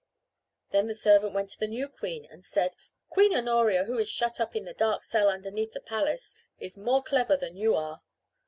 Then the servant went to the new queen and said: "Queen Honoria who is shut up in the dark cell underneath the palace is more clever than you are."